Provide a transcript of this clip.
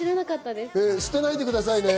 捨てないでくださいねぇ。